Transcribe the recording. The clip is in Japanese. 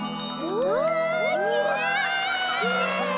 うわきれい！